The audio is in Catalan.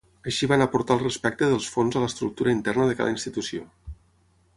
Així van aportar el respecte dels fons a l'estructura interna de cada institució.